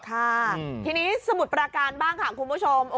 ค่ะทีนี้สมุทรประการบ้างค่ะคุณผู้ชม